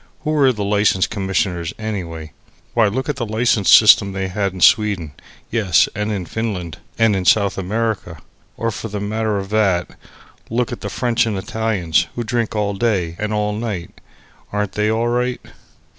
Who were the license commissioners, anyway? Why, look at the license system they had in Sweden; yes, and in Finland and in South America. Or, for the matter of that, look at the French and Italians, who drink all day and all night. Aren't they all right?